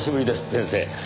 先生。